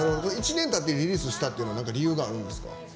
１年たってリリースしたっていうのはなんか理由があるんですか？